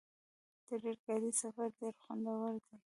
د ریل ګاډي سفر ډېر خوندور دی.